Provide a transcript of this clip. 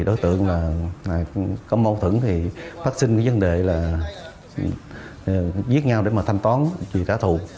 đối tượng có mâu thửng thì phát sinh vấn đề là giết nhau để mà thanh toán vì trả thù